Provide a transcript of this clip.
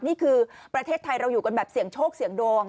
นี่คือประเทศไทยเราอยู่กันแบบเสี่ยงโชคเสี่ยงดวง